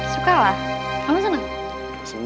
suka lah kamu seneng